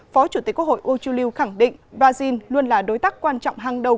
phó chủ tịch quốc hội uchuliu khẳng định brazil luôn là đối tác quan trọng hàng đầu